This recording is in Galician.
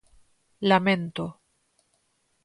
Lamento.